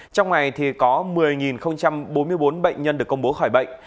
trong ngày thì có một mươi bốn mươi bốn bệnh nhân được công bố khỏi bệnh